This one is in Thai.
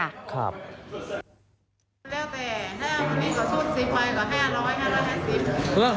แล้วแต่ถ้ามันก็มีกับสุดสิควัยก็๕๐๐๕๕๐